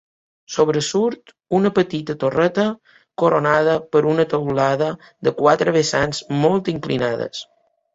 Sobresurt una petita torreta coronada per una teulada de quatre vessants molt inclinades.